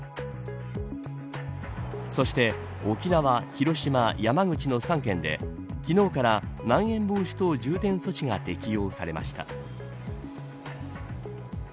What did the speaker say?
そして、沖縄、広島山口の３県で昨日からまん延防止等重点措置が適用されました。